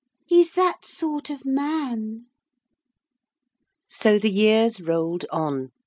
He's that sort of man.' So the years rolled on.